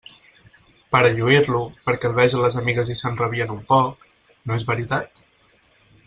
Per a lluir-lo, perquè el vegen les amigues i s'enrabien un poc..., no és veritat?